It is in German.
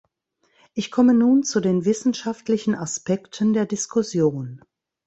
Ich komme nun zu den wissenschaftlichen Aspekten der Diskussion.